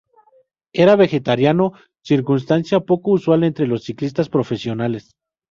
Era vegetariano, circunstancia poco usual entre los ciclistas profesionales.